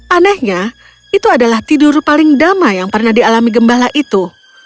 anehnya itu adalah tidur paling damai yang pernah dialami gembala itu